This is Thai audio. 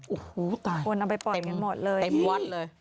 โอ้หูตายกวนเอาไปปล่อยกันหมดเลยนี่เจ็บวัดเลย